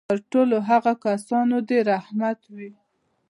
پر ټولو هغو کسانو دي رحمت وي.